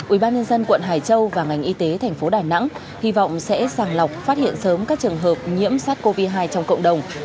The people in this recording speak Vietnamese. ubnd quận hải châu và ngành y tế tp đà nẵng hy vọng sẽ sàng lọc phát hiện sớm các trường hợp nhiễm sars cov hai trong cộng đồng